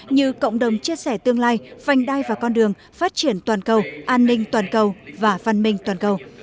như cộng đồng chia sẻ tương lai phanh đai và con đường phát triển toàn cầu an ninh toàn cầu và phân minh toàn cầu